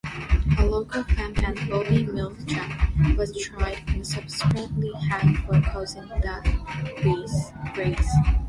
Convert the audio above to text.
A local farmhand, Bobby Millichamp, was tried and subsequently hung for causing the blaze.